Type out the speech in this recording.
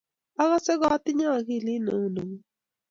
akose katinye akilit neu nengung.